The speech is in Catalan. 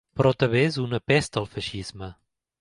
Però també és una pesta el feixisme.